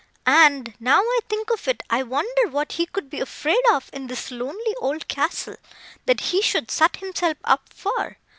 And, now I think of it, I wonder what he could be afraid of in this lonely old castle, that he should shut himself up for.